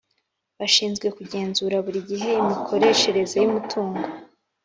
Bashinzwe kugenzura buri gihe imikoreshereze y’umutungo